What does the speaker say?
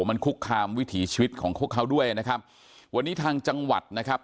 มันคุกคามวิถีชีวิตของพวกเขาด้วยนะครับวันนี้ทางจังหวัดนะครับ